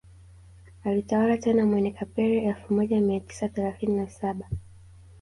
Alitawala tena Mwene Kapere elfu moja mia tisa thelathini na saba